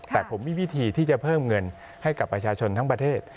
แต่ผมมีวิธีที่จะเพิ่มเงินให้กับประชาชนทั้งประเทศ